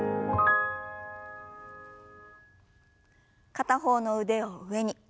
片方の腕を上に。